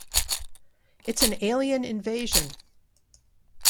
It's an Alien Invasion.